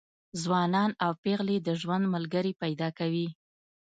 ځوانان او پېغلې د ژوند ملګري پیدا کوي.